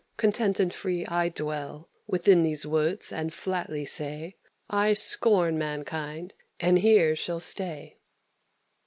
Content and free I dwell Within these woods, and flatly say, I scorn mankind, and here shall stay."